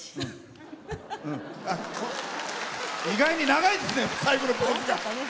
意外に長いですね最後のポーズが。